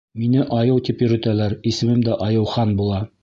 Мине айыу тип йөрөтәләр, исемем дә Айыухан була.